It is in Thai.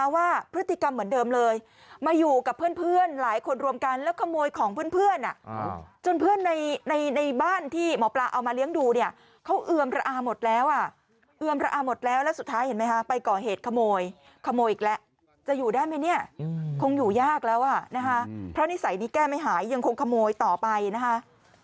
ว่าพฤติกรรมเหมือนเดิมเลยมาอยู่กับเพื่อนหลายคนรวมกันแล้วขโมยของเพื่อนจนเพื่อนในในบ้านที่หมอปลาเอามาเลี้ยงดูเนี่ยเขาเอือมระอาหมดแล้วอ่ะเอือมระอาหมดแล้วแล้วสุดท้ายเห็นไหมคะไปก่อเหตุขโมยขโมยอีกแล้วจะอยู่ได้ไหมเนี่ยคงอยู่ยากแล้วอ่ะนะคะเพราะนิสัยนี้แก้ไม่หายยังคงขโมยต่อไปนะคะ